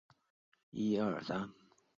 近日被缉事衙门指他散播妖言而逮捕他。